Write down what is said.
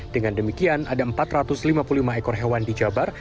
dengan demikian ada empat ratus lima puluh lima ekor hewan di jabar